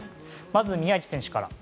まず宮市選手から。